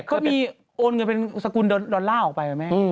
ก็มีโอนเงินเป็นสกุลดอลลาร์ออกไปนะแม่